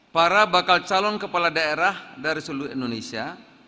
para bakal calon kepala daerah dari seluruh indonesia